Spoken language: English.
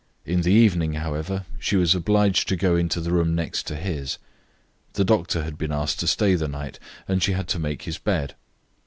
In the evening, however, she was obliged to go into the room next to his. The doctor had been asked to stay the night, and she had to make his bed.